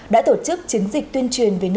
đã tổ chức chiến dịch tuyên truyền về nâng cao